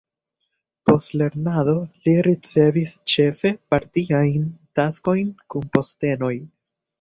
Post lernado li ricevis ĉefe partiajn taskojn kun postenoj.